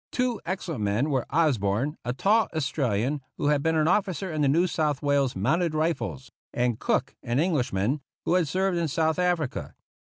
Two excellent men were Osborne, a tall Australian, who had been an officer in the New South Wales Mounted Rifles ; and Cook, an Englishman, who had served in South Africa.